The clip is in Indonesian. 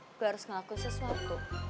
gue harus ngaku sesuatu